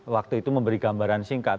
waktu itu memberi gambaran singkat